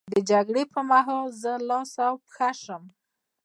د جګړې پر مهال زه لاس او پښه شم.